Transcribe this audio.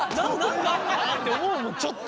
だって思うもんちょっと。